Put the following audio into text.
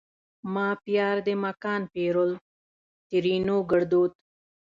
ما پیار دې مکان پرول؛ ترينو کړدود